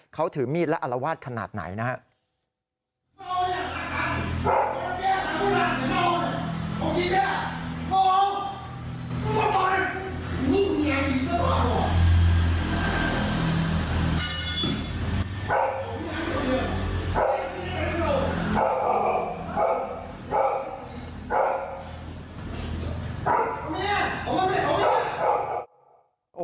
เขาถือมีดและอารวาสขนาดไหนนะครับ